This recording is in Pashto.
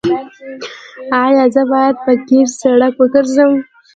ایا زه باید په قیر سړک وګرځم؟